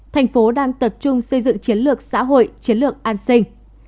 thành phố đang tập trung xây dựng chiến lược xã hội chiến lược an sinh